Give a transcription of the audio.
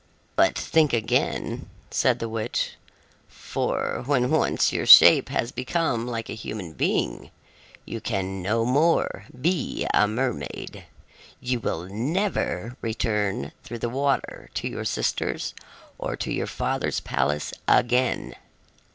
"But think again," said the witch, "for when once your shape has become like a human being, you can no more be a mermaid. You will never return through the water to your sisters or to your father's palace again.